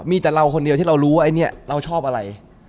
มีแต่เราคนเดียวที่เรารู้ว่าไอ้เนี่ยเราชอบอะไร